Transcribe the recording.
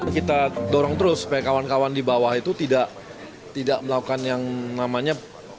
kita dorong terus supaya kawan kawan di bawah itu tidak melakukan yang namanya